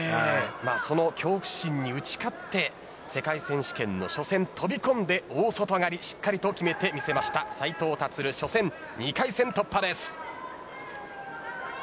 その恐怖心に打ち勝って世界選手権の初戦飛び込んで大外刈をしっかり決めてみせた斉藤立は２回戦突破です。